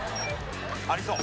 ありそう。